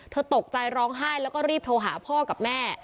ตกใจร้องไห้แล้วก็รีบโทรหาพ่อกับแม่